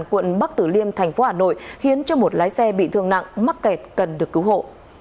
quận bắc tử liêm thành phố hà nội khiến cho một lái xe bị thương nặng mắc kẹt cần được cứu hộ